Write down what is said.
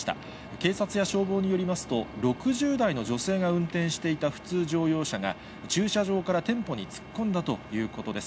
警察や消防によりますと、６０代の女性が運転していた普通乗用車が、駐車場から店舗に突っ込んだということです。